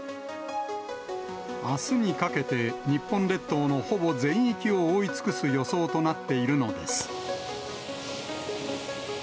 あすにかけて、日本列島のほぼ全域を覆い尽くす予想となっているのです。